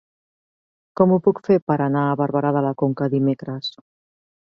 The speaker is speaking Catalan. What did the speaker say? Com ho puc fer per anar a Barberà de la Conca dimecres?